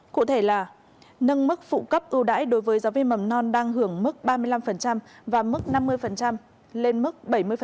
cụ thể là nâng mức phụ cấp ưu đãi đối với giáo viên mầm non đang hưởng mức ba mươi năm và mức năm mươi lên mức bảy mươi